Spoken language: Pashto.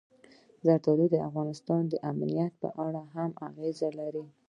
زردالو د افغانستان د امنیت په اړه هم اغېز لري.